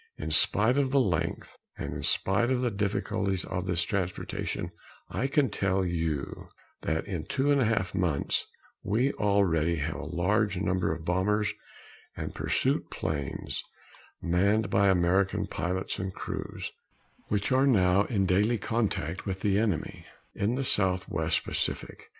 In spite of the length, and in spite of the difficulties of this transportation, I can tell you that in two and a half months we already have a large number of bombers and pursuit planes, manned by American pilots and crews, which are now in daily contact with the enemy in the Southwest Pacific.